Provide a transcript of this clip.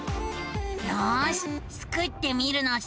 よしスクってみるのさ。